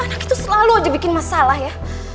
anak itu selalu aja bikin masalah ya